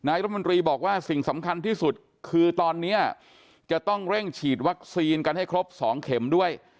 รัฐมนตรีบอกว่าสิ่งสำคัญที่สุดคือตอนนี้จะต้องเร่งฉีดวัคซีนกันให้ครบ๒เข็มด้วย